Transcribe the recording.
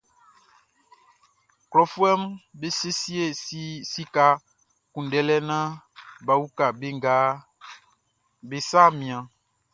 Klɔfuɛʼm be siesie sika kunndɛlɛ naan bʼa uka be nga be sa mianʼn.